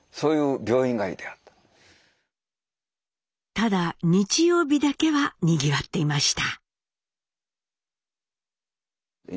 ただ日曜日だけはにぎわっていました。